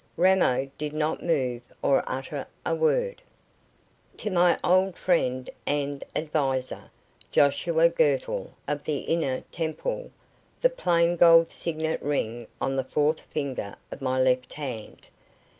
Ramo did not move or utter a word. "To my old friend and adviser, Joshua Girtle, of the Inner Temple, the plain gold signet ring on the fourth finger of my left hand."